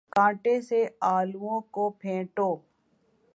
کانٹے سے آلووں کو پھینٹو